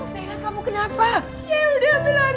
nailah kamu kenapa